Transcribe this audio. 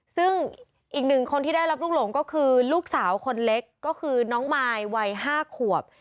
ซึ่งอีกหนึ่งคนที่ได้รับลูกหลงก็คือลูกสาวคนเล็กก็คือน้องมายวัย๕ขวบ